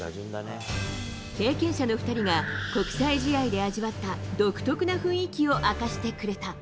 経験者の２人が、国際試合で味わった独特な雰囲気を明かしてくれた。